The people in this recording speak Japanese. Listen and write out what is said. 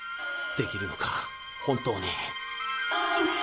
できるのか本当に？